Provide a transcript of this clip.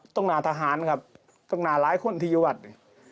ตรงนาทหารครับตรงนาหลายคนที่ยุวัตตร์